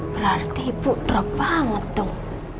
berarti ibu drop banget dong